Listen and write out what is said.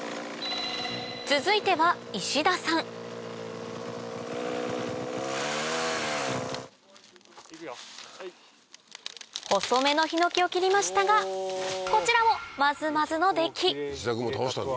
続いては石田さん細めのヒノキを切りましたがこちらもまずまずの出来石田君も倒したんだ。